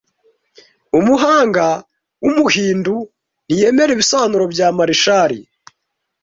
Umuhanga w’Umuhindu ntiyemera ibisobanuro bya Marshall